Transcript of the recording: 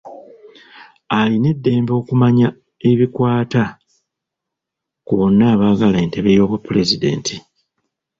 Alina eddembe okumanya ebikwata ku bonna abaagala entebe y’obwapulezidenti.